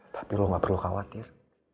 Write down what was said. tapi lo gak perlu khawatir